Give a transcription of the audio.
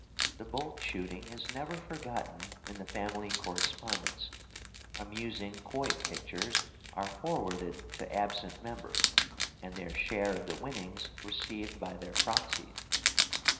The bolt shooting is never forgotten in the family correspondence; amusing quoit pictures are forwarded to absent members, and their share of the winnings received by their proxies.